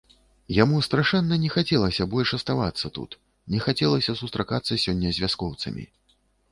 Яму страшэнна не хацелася больш аставацца тут, не хацелася сустракацца сёння з вяскоўцамі.